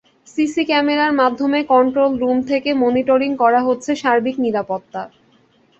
CC ক্যামেরার মাধ্যমে control room থেকে মনিটরিং করা হচ্ছে সার্বিক নিরাপত্তা।